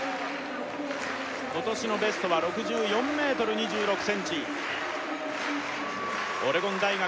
今年のベストは６４ｍ２６ｃｍオレゴン大学